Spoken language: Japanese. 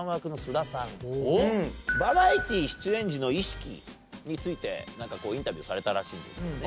バラエティー出演時の意識についてインタビューされたらしいんですよね。